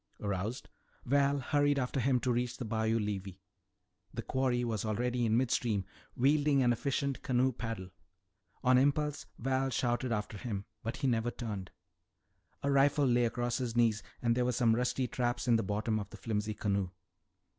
Aroused, Val hurried after him to reach the bayou levee. The quarry was already in midstream, wielding an efficient canoe paddle. On impulse Val shouted after him, but he never turned. A rifle lay across his knees and there were some rusty traps in the bottom of the flimsy canoe.